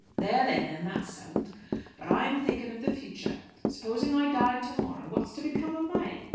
"There, there, then that's settled. But I am thinking of the future. Supposing I died to morrow, what's to become of May?